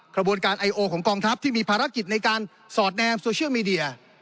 กระบวนการไอโอของกองทัพที่มีภารกิจในการสอดแนมโซเชียลมีเดีย